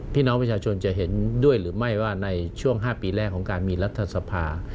พี่น้องประชาชนจะเห็นด้วยหรือไม่ว่าในช่วง๕ปีแรกของการมีรัฐสภา